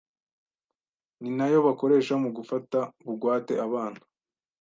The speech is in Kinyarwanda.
ni nayo bakoresha mu gufata bugwate abana